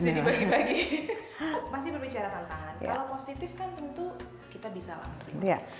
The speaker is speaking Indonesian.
masih berbicara tantangan kalau positif kan tentu kita bisa lah